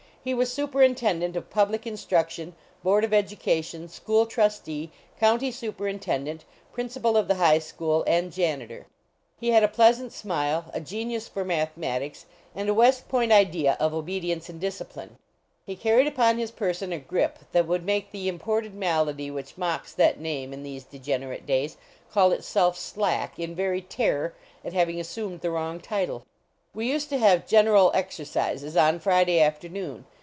He was superinten dent of public instruction, board of educa tion, school trustee, county superintendent, principal of the high school and janitor. He 256 THE STRIKK AT HINMAN S had a pleasant >mile, a genius for mathemat ics, and a West Point idea of obedience and discipline. He carried upon his person a grip that would make the imported malady which mocks that name in these degenerate days, call itself Slack, in very terror at having as sumed the wrong title. We used to have General Exercises on Friday afternoon.